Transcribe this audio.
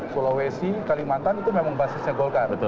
sulawesi kalimantan itu memang basisnya golkar